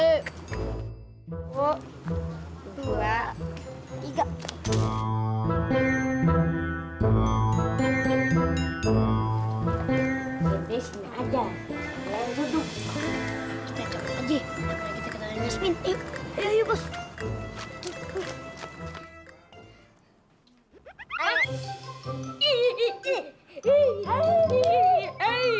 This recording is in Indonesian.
sente sini ada kita coba aja kita ketahui nesmin